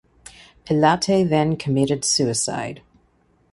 Pilate then committed suicide.